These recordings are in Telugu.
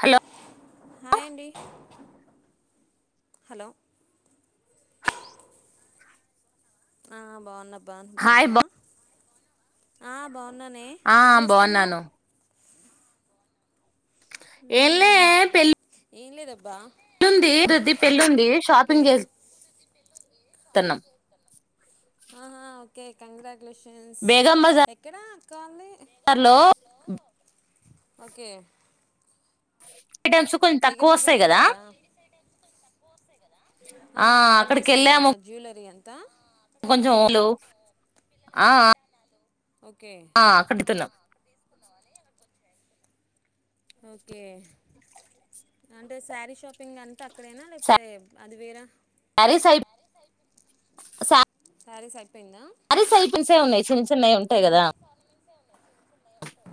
హలో హాయ్ అండి హలో ఆ బాగున్న బాను హాయ్ బగునావా బా ఆ బాగున్నానే ఆ ఏం చేస్తున్నావ్ బాగున్నాను ఏళ్లే పెళ్లి ఏం లేద పెల్లుంది దిది పెళ్లుంది ఓకే షాపింగ్ చేస్తున్నాం ఆహా ఓకే కాంగ్రా కుషన్స్ ఎక్కడా కానీ హలో ఓకే ఐటమ్స్ తక్కువ బేగం వస్తాయి బజార్కి కదా వెళ్ళారా ఆ ఆహా అక్కడ తీసుకుందాం మన జ్యువలరీ అంత త కొంచం హలో ఆ ఓకే ఆ కట్టి తులం ఓకే అంటే శారీ షాపింగ్ అంతా అక్కడేనా లేకపోతే అది వేరా ప్యారిస్ అయి సరే స అది సైడ్ పిన్స్యే ఉన్నాయి సిన్ చిన్నవి ఉంటాయ్ కదా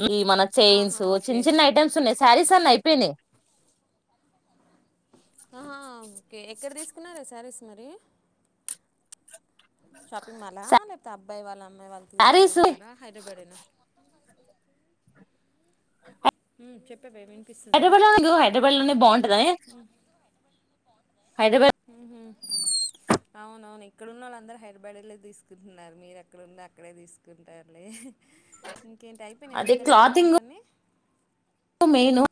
మ్మ్ ఈ మన ఆహా చైన్సు ఓకే చిన్న చిన్న ఐటమ్స్ ఉన్నాయ్ శారీస్ అనాయ్పోయినై ఆహా ఓకే ఎక్కడ తీసుకున్నారు శారీస్ మరి షాపింగ్ మాల లేకపోత్ అబ్ పై వాళ్లం వాళ్ళు శారీస్ తీసుకున్నారా హైడ్రెబాడేనా చెప్ హైదరాబాద్ లో హైదరాబాద్ లోనే బాగుంటదని హైదరాబాద్ హ్ మ్ అవునవును ఇక్కడున్నోళ్ళు అందరూ హైదరాబాద్ ఎళ్ళే తీసుకుంటున్నారు మీరు అక్కడన్న అక్కడే తీసుకుంటారులే ఇంకేంటి అయిపోయినయ మిగతా పెళ్లి పనులన్నీ మేను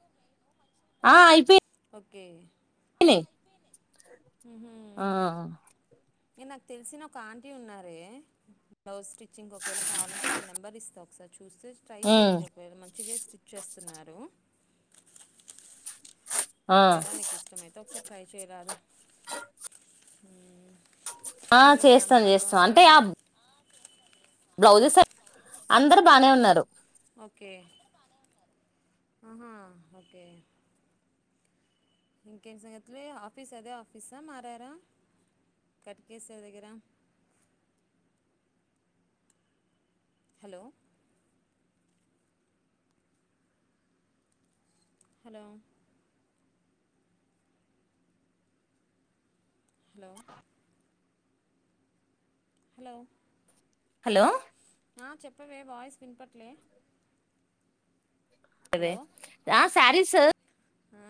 ఆ అయి ఓకే [inaudible] హ్ ఆ ఏ నాక్ తెలిసిన ఒక ఆంటీ ఉన్నారే బ్లౌజ్ స్టి గ్ ఒకవేళ కావాలంటే వాళ్ళ నెంబర్ ఇస్తా ఒకసారి చూస్తే ట్రై ఉమ్ చేయండి ఒకవేళ మంచిగే స్టిచ్ చేస్తున్నారు. ఆ నువ్వేలా నీక్ ఇష్టమైతే ఒకసారి ట్రై చేయరాదు ఆ ఇంకేంటి అమ్మ చేస్తాను వాళ్ళు చేస్తా బాగున్నారు అంటే ఆ అందరూ బ్లౌజెస్ అందరు బాగానే ఉన్నారు ఓకే ఆహా ఓకే ఇంకేం సంగతులే ఆఫీస్ అదే ఆఫీసా మారారా గట్కేసర్ దగ్గరా hello hello hello hello hello ఆ చెప్పవే వాయిస్ విన్పట్లే అదే ఆ సారీస్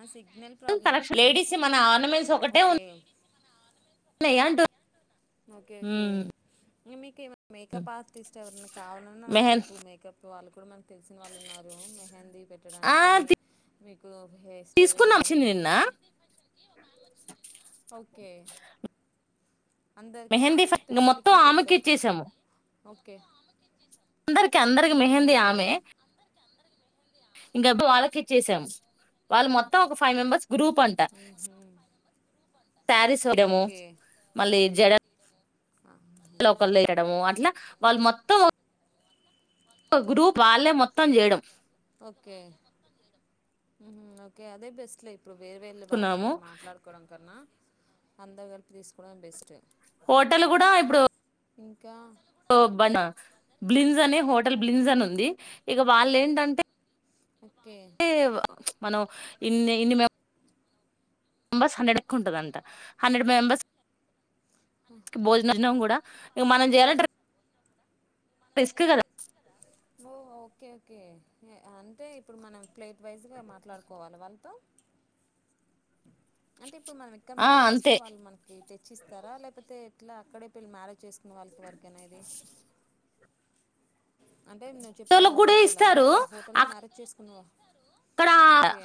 ఆ సిగ్ లేడీస్ మన ఆర్నమెంట్స్ ఒకటే ఓకే ఉంన్నయి అంటు ఓకే ఓకే ఏమిక ఏం మేకప్ ఆర్టిస్ట్ ఎవరన్న కావాలన్నా నాకు మెహన్ చెప్పు మేకప్ వాళ్ళక్ గుడా మనకు తెలిసిన వాళ్ళు ఉన్నారు మెహెంది. ఆ పెట్టడానికి కానీ మీకు హెయిర్ స్టైలింగ్ తీసుకున్నాం గని వచ్చింది నిన్న మేక్ ఓకే అందరికా మెహెంది ఫ లేకపోతే ఇగ పెళ్ళి మొత్తం ఆమెకి కూతురుకా ఇచ్చేశాము ఓకే అందరికి అందరికి ఉహు మెహందీ ఓకే ఆమె ఇంకాప్పు వాళ్ళకిచ్చేసామ్ వాళ్ళు మొత్తం ఒక ఫైవ్ మెంబర్స్ గ్రూప్ అంట ఉహు ప్యారిసోడియాము మళ్ళీ జడ ఆ [inaudible] లోకల్లో వేయడము అట్లా వాళ్ళు మొత్తం గ్రూప్ వాళ్ళే మొత్తం చేయడం ఓకే ఓకే అదే బెస్ట్ ైఫ్ ఇప్పుడు వేరె వేళ్ళ [unintelligible] వాళ్ళని కున్నాము మాట్లాడుకోవడం కన్నా అంత కలిపి తీసుకోవడం బెస్ట్ హోటల్ కూడా ఇప్పుడు ఇ బానా బ్లిన్స్నే హో బ్లిన్జన్ అని ఉంది ఇక వాళ్ళు ఏంటంటే ఓకే ఏ మనం ఇన్ని ఇన్ని మ మెంబర్స్ హండ్రెడ్ ఎ ఉంటుందంట హండ్రెడ్ మెంబర్స్ భోజనన్నం కూడా ఇగ మనం చేయాలంటే రిస్క్ కదా ఓ ఓకే ఓకే అంటే ఇప్పుడు మనం ప్లేట్ వైజ్గా మాట్లాడుకోవాలి వాళ్ళతో అంతే ప్పుడు మనం ఎక్కడ ఆ మ్యారేజ్ అంతే చేసుకున్న వాళ్ళు మనకి తే చర్చ్చిస్తారా లేకపోతే ఎట్లా అక్కడే పెళ్ళి మ్యారేజ్ చేసుకున్న వాళ్ళకి వరకేనా ఇది అంటే న్వు చెప్పా వాళ్ళకి ఒక కూడా హోటల్ అని ఇస్తారు ఆ హోటల్ లో మ్యారేజ్ చేసు పకును ఇక్కడ ఓకే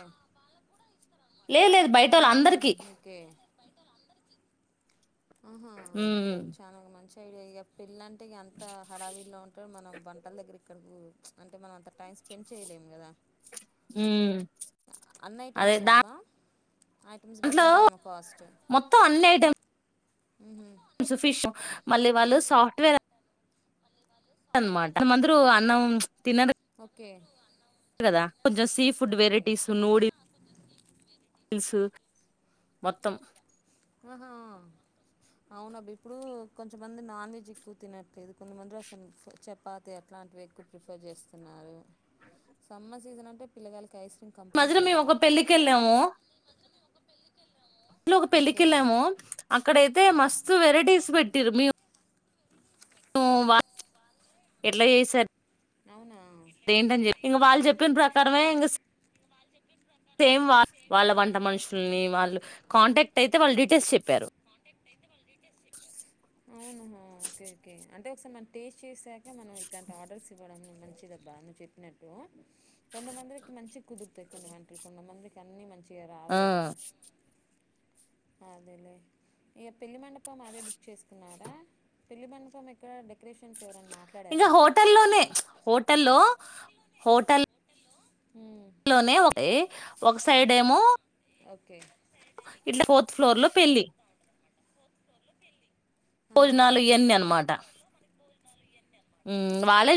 లేదు లేదు బయట వాళ్ళు ఉహు అందరికీ ఓకే ఆహా ఓకే ఉమ్ చాలా మంచి ఇక పెళ్లంటే ఇక అంత హడావిీల్లో ఉంటో మనం వంటల దగ్గర ఇక్కడకి అంటే మనం అంత టైం స్పెండ్ చేయలేము కదా హు అన్న ఐటెమ్స్బా అక్క ఐటమ్స్ బట్టి దాంట్లో ఉంటుందేమో కాస్ట్ స్ ఫిష్ మళ్ళీ వాళ్ళు సాఫ్ట్వేర్ అన్నమాట అందరు అన్నం తినరు ఓకే కదా కొంచెం sea food okay varieties noodles మొత్తం ఆహా అవున బ్ ఇప్పుడు కొంచం మంది నాన్ వెజ్ ఎక్కువ తినట్లేదు కొంతమంది అసలు చపాతి అట్లాంటివెక్కువ ప్రిఫర్ చేస్తున్నారు సమ్మర్ సీజన్ అంటే పిలగాళ్ళు మధ్యలో మేము ఒక పెళ్ళకెళ్ళాము [inaudible] ఒక ఓకే పెళ్ళకెళ్ళాము అక్కడై తే మస్తు వెరైటీస్ పెట్టిర్రు మీ ను [unintelligible] ఎట్లా చేసారు అవునా దేంటని చెప్పి ఇంగ వాళ్ళు చెప్పిన ప్రకారమే ఇంక సేమ్ వా వాళ్ళ వంట మనుషుల్ని వాళ్ళు కాంటాక్ట్ అయితే వాళ్ళు డీటెయిల్స్ చెప్పారు అవునా ఓకే ఓకే అంటే ఒకసారి మన టేస్ట్ చేసా మనం ఇట్లాంటి ఆర్డర్స్ ఇవ్వడం మంచిదబ్బా నువ్వు చెప్పినట్టు కొంతమందికి మంచి కుదురు కొన్ని వంటలు కొంత మందికి అన్ని మంచి చరాదు ఆ గదా అదేలే ఇక పెళ్లి మండపం అదే బుక్ చేసుకున్నారా పెళ్లి మండపం ఎక్కడ డెకరేషన్ ఇంకా హోటల్లోనే హోటల్లో హోటల్ మ్ లోనే ఒక ఒక సైడ్ ఏమో ఓకే ఇట్ల పో ఫ్లోర్ లో పెళ్లి ఆహా. భోజనాలు ఇయన్ని అనమాట మ్ వాళ్ళే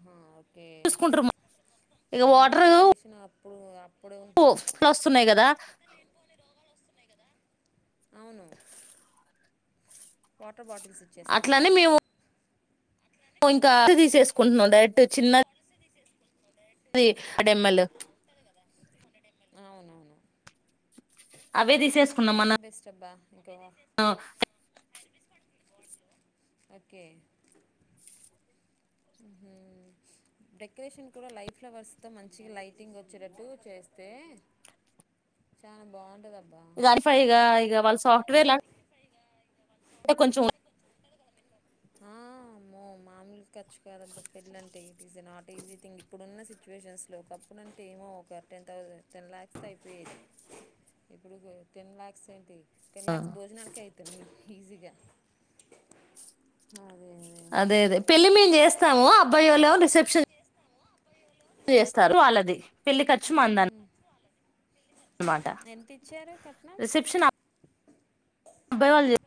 ఆ చూసుకుంటారు ఇగ వాటరు డెకరేషన్ [unintelligible] వస్తున్నాయి కదా [unintelligible] టర్ బాటిల్స్ ఇచ్చేస్తున్నారా ఓ ఇంక [unintelligible] తీసేసుకుంటున్నాం డైఎట్టు చిన్నది అది ఆ డెమ్మల్ అవునవును అవే తీసేసుకున్నాం మన నీకేమన్న ఓకే ఊహు డెకరేషన్ కూడా లై ఫ్లవర్స్తో మంచిగా లైటింగ్ వచ్చేటట్టు చేస్తే చాలా బాంటదబ్బ్ ఇక అట్ఫైగా ఇక వాళ్ళ సాఫ్ట్వేర్లా అంక కొంచెం ఆ మో ఫుల్ ఖర్చు కాదబ్బ పెళ్లి అంటే it is a not easy thing ఇప్పుడున్న సిచ్యువేషన్స్లో ఒకప్పుడుంటే ఏమో ఒక టెన్ థౌసండ్ టెన్ ల్యాక్స్తో అయిపోయేది ఇప్పుడు టెన్ ల్యాక్స్ ఏంటి టెన్ ల్యాఖ్స్ భోజనాలకే ఐతుంది. ఈజీగా హా అదే అదే అదే పెళ్లి మేము చేస్తాము అబ్బాయి వాళ్లేం రిసెప్షన్ చేస్తారు వాళ్ళది పెళ్లి ఖర్చు మందన్న అన్నమాట ఎంతిచ్చారు కట్నం? రిసెప్షన్ అబ్బాయి వాల్లే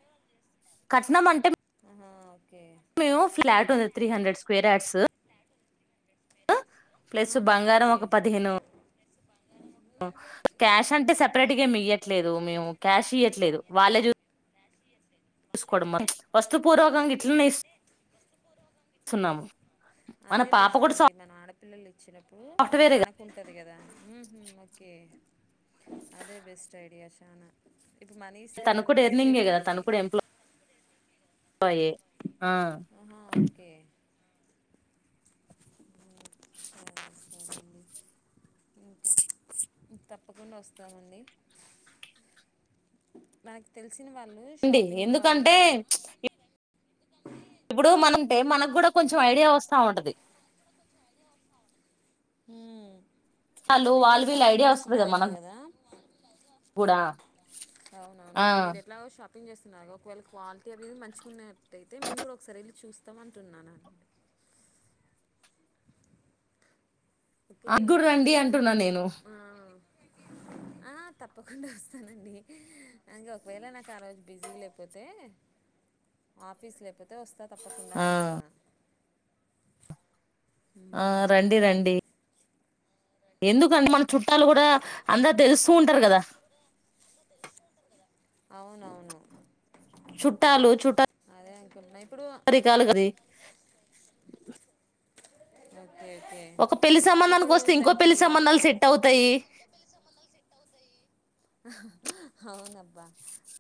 కట్నం అంటే ఆహా! ఓకే మేము ఫ్లాట్ ఉంది త్రీ హండ్రెడ్ స్కయర్యార్డ్స్ ప్లస్ ఆహా! బంగారం ఓకే. ఒక పదిహేను క్యాష్ అంటే సపరేట్గా ఏమి ఇయ్యట్లేదు మేము క్యాష్ ఇయ్యట్లేదు వాళ్ళే చూసుకోడం మొత్తం వస్తు పూర్వకంగ ఇట్లనె ఇస్తున్నాము మన పాప కూడా సాఫ్ పిల్లలకి వచ్చినప్పుడు మనకుంటుంది కదా ఊహు ఓకే అదే బెస్ట్ ఐడియా చానా. ఇప్పుడు మనీ ఇస్తే తను అది కూడా ఎర్నింగే కదా ఖర్చయిపోతది. తను కూడా ఎంప్లాయ్ ప్లాయే ఆహా ఓకే వస్తామండి ఇంక తప్పకుండా వస్తామండి. నాక్ తెలు సిన వాళ్ళు అండి షాపింగ్ వాళ్ళు ఎందుకంటే ఆ రండి రండి. ఇప్పుడు మనంటే మనకూడా కొంచెం ఐడియా వస్తా ఉంటది. ఊ అంటే వాళ్ళు మీరు వాళ్ళు వీళ్ళ షాపింగ్ ఐడియా వస్తది చేస్తున్నారేమో మనకు కదా కూడా ఆ అవునవునిప్పుడు మీరు ఎట్లా గో షాపింగ్ ఓపెనింగ్ చేస్తున్నారు ఒకవేళ క్వాలిటీ అవి మంచిగున్నట్టయితే మేము కూడా ఒకసారి వెళ్ళి చూస్తాం అంటున్నానండి. ఓకేనా అగ్గుడు రండి అంటున్నా నేను ఆ, ఆ తప్పకుండా వస్తానండి అంగ ఒకవేళ నాకు ఆ రోజు బిజీ లేకపోతే ఆఫీస్ లేకపోతే తే వస్తా తప్పకుండా ఆ అంటున్నా ఆ రండి మ్మ్. రండి. ఎందుకంటే మన చుట్టాలు కూడా అందర్ తెలుస్తూ ఉంటారు కదా అవునవును చుట్టాలు అదే అనుకుంటున్నా ఇప్పుడు చుట్టరికాలు గది అద్ ఒక పెళ్లి సంబంధానికి వస్తే ఇంకో తనకి పెళ్లి సంబంధాలు సెట్ అవుతాయి. అవునబ్బా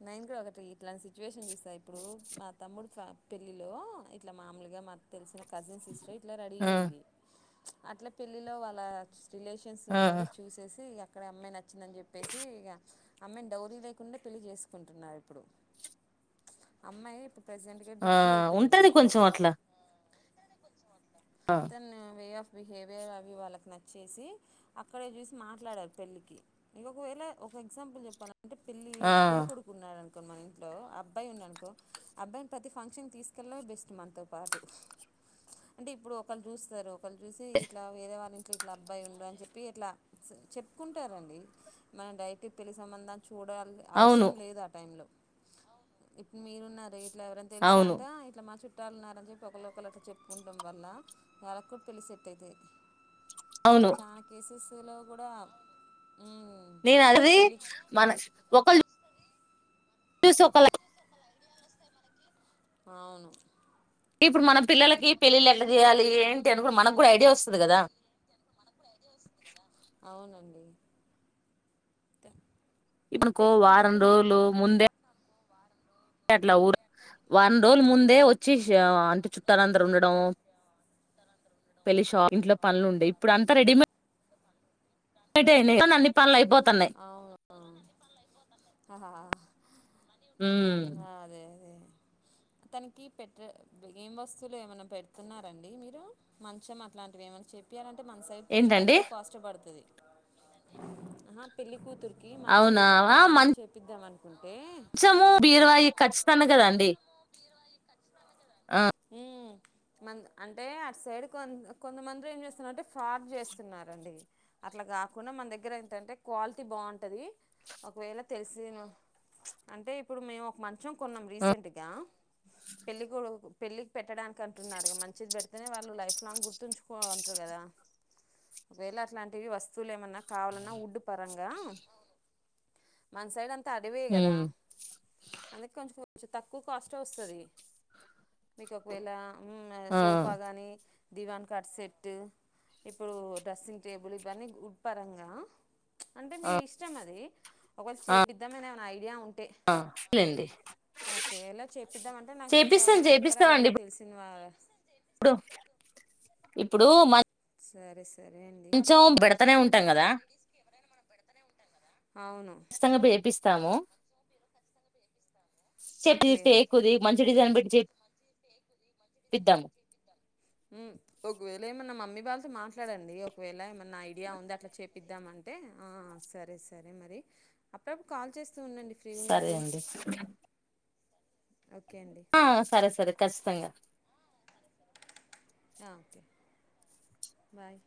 నేన్ కూడా ఒకటి ఇట్లాంటి సిచ్యువేషన్ చూసా ఇప్పుడు మా తమ్ముడు పెళ్ళిలో ఇట్లా మామూలుగా మా తెలిసిన కజిన్ సిస్టర్ ఇట్లా ఆ ప్చ్ అట్ల పెళ్లిలో వాళ్ళ స్ రిలేషన్స్ ఆ వాళ్లందరూ చూసేసి ఇగా క్కడా అమ్మ నచ్చిందని చెప్పేసి ఇక అమ్మాయిని డౌరీ లేకుండా పెళ్ళి చేసుకుంటున్నారు ఇప్పుడు అమ్మాయి ఇప్పుడు ప్రజెంట్గా ఆ డిగ్రీ అయిపోయింది ఉంటది కొంచెం అట్లా ఆ తను వే ఆఫ్ బిహేవియర్ అవి వాళ్ళకి నచ్చేసి అక్కడే చూసి మాట్లాడారు పెళ్ళికి ఇంక ఒకవేళ ఒక ఎగ్జాంపుల్ చెప్పాల అంటే పెళ్లి ఆ పెళ్ళలికడుకున్నార మన ఇంట్లో అబ్బాయి ఉన్నానుకో అబ్బాయిని ప్రతి ఫంక్షన్ తీసుకెళ్ళ బెస్ట్ మనతో పాటు అంటే ఇప్పుడు ఒక వాళ్ళు చూస్తారు చూసి ఇట్లా వేరే వాళ్ళని ఇట్లా అబ్బాయి ఉండడు అని చెప్పి ఇట్లా చెప్పుకుంటారంండి మన డైటి పెళ్ళి సంబంధా చూడాలి అవును అవసరం లేదు ఆ టైంలో ఇప్పుడు మీరున్నార ఇట్లా ఎవరనా తెలుసా అవును అంట ఇలా మా చుట్టాలన్నారని చెప్పి ఒకళ్ళ ఒకరుట చెప్పుకుంటం వల్ల నాకు తెలిసిట్టది అవును [unintelligible] చాన్ కేసస్ లో కూడా ఉమ్ నేను అది పెళ్ళి మన ఒకళ్ళు చూసు ఒకలా అవును ఇప్పుడు మన పిల్లలకి పెళ్ళిళ్ళు ఎట్లా చేయాలి ఏంటి అనుకు మనకు కూడా ఐడియా వస్తుంది కదా అవునండి ఈ ఇప్పుకో పెళ్ళి వారం కూతురికి మేక్ రోజులు ముందే అట్లా ఊరు వారం రోజుల ముందే వచ్చి అంటే చుట్టాలు అందరు ఉండడం పెళ్లి షాప్ ఇంట్లో పనులు ఉండే ఇప్పుడు అంతా రెడీమేడ్ అన్ని పనులు అయిపోత అవునా ఆహా హా ఉమ్. ఆ అదే అదే అతనికి పెట్ట ఏం వస్తువులు ఏమన్నా పెడుతున్నారండి మీరు మంచం అట్లాంటివి ఏమన్నా చెపియాల మన సైడ్ కొంచెం ఏంటండి తక్కువ కాస్ట్ పడుతది అహా పెళ్ళికూతురు అవునా ఆ మ అనుకుంటే మంచము బీరవాయి కచ్చితంగా కదండి ఆ మ అంటే అటు సైడ్ కొ కొంతమంది ఏం చేస్తున్నారుంటే ఫ్రాడ్ చేస్తున్నారండి అట్లా కాకుండా మన దగ్గర ఏంటంటే క్వాలిటీ బాగుంటది ఒకవేళ తెలిసి చెప్ అంటే ఇప్పుడు మేము ఒక మ మంచం కొన్నాం ఆ, రీసెంట్గా పెళ్ళికొడుకు పెళ్ళకి పెట్టడానికి అంటున్నారు మంచిది పెడితేనే వాళ్ళు లైఫ్ లాంగ్ గుర్తుంచుకోవాలంటారు కదా ఒకవేళ అట్లాంటివి వస్తువులు ఏమన్నా కావాలన్నా ఉడ్డు పరంగా మన సైడ్ అ త అడివే కదా ఉమ్, అందు కొంచం కొంచెం తక్కువ కాస్ట్ వస్తది మీకు ఒకవేళ హు ఆ, సోఫా గాని దివాన్ కట్ సెట్ ఇప్పుడు డ్రెస్సింగ్ టేబుల్ ఇవన్నీ గు వుడ్ పరంగా అంటే మీ ఆ, ఇష్టం అది ఒకవళు ఆ, చేపిద్దమనే ఏం ఐ ఐడియా ఉం టే ఆ. లేండి చేపిద్దాంమంటే నాకు ఒకసారి చేపిస్తాం చె కాదు చేపిస్తామండి అండి తెలిసిం వా [unintelligible] ఇప్పుడు మం సరే స కొంచెం పేడుతనే ఉంటాం కదా అవును ఇష్టం అప్పుడు చేపిస్ స్తాము ఓకే టేకు ది మంచి డిజైన్ పెట్టి చెప్ పిద్దము హు ఒకవేళ ఏమన్నా మమ్మీ వాళ్ళతో మాట్లాడండి ఒకవేళ ఏమన్నా ఐడియా ఉంది అంటే చూపిద్దాం అంటే ఆ సరే సరే మరి అప్పుడప్పు కాల్ చేస్తూ ఉండండి ఫ్రీ సరే ఉన్నప్పుడు. అండి ఓకే అండి. ఆ సరే సరే ఖచ్చితంగా ఆ ఓకే బాయ్